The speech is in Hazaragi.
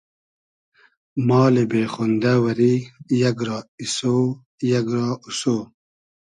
مالی بې خۉندۂ وئری یئگ را ایسۉ , یئگ را اوسۉ